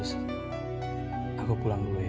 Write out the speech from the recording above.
aku pulang dulu ya